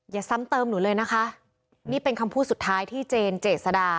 ซ้ำเติมหนูเลยนะคะนี่เป็นคำพูดสุดท้ายที่เจนเจษดา